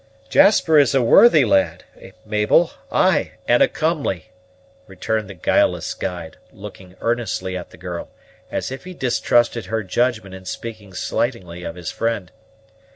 "Jasper is a worthy lad, Mabel; ay, and a comely," returned the guileless guide, looking earnestly at the girl, as if he distrusted her judgment in speaking slightingly of his friend.